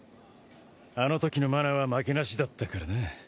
あのときの麻奈は負けなしだったからな。